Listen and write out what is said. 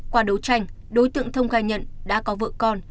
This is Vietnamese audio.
qua đấu tranh đối tượng thông khai nhận đã có vợ con